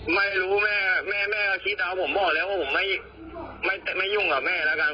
ไม่รู้แม่แม่ก็คิดเอาผมบอกแล้วว่าผมไม่ยุ่งกับแม่แล้วกัน